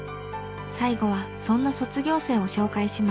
最後はそんな卒業生を紹介します。